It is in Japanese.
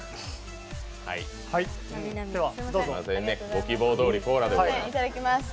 ご希望どおりコーラでございます。